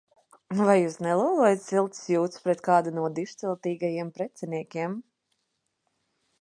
Vai jūs nelolojat siltas jūtas pret kādu no dižciltīgajiem preciniekiem?